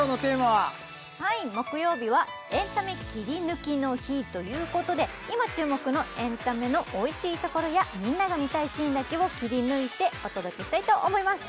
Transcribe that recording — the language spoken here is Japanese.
はい木曜日はエンタメキリヌキの日ということで今注目のエンタメのおいしいところやみんなが見たいシーンだけを切り抜いてお届けしたいと思います